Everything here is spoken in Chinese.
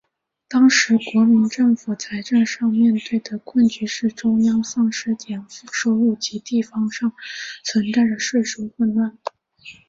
当时国民政府财政上面对的困局是中央丧失田赋收入及地方上存在着税收混乱。